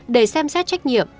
để xem xét trách nhiệm